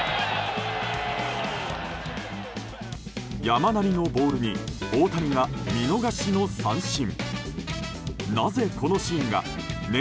山なりのボールに大谷が見逃しの三振。